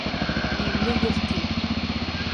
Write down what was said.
Иҩны ирҭеит.